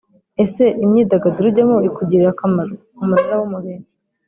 Ese imyidagaduro ujyamo ikugirira akamaro Umunara w Umurinzi